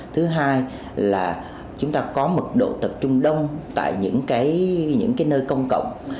thứ hai là chúng ta có mực độ tập trung đông tại những cái nơi công cộng